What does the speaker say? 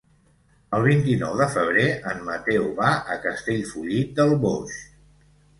El vint-i-nou de febrer en Mateu va a Castellfollit del Boix.